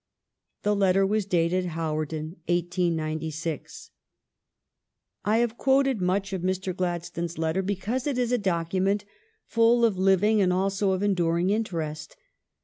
The letter was dated Hawarden, 1896. I have quoted much of Mr. Gladstone's letter because it is a document full of living and also ■of enduring intL rest.